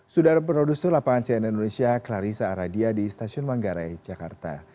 sudah ada produser lapangan cnn indonesia clarissa aradia di stasiun manggarai jakarta